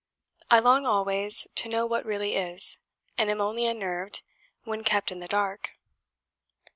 I long always to know what really IS, and am only unnerved when kept in the dark.